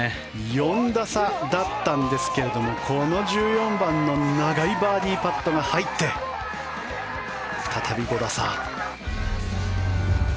４打差だったんですがこの１４番の長いバーディーパットが入って再び５打差。